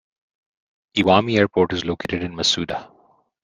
Iwami Airport is located in Masuda.